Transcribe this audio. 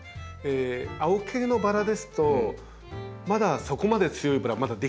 青系のバラですとまだそこまで強いバラはまだ出来てないんです。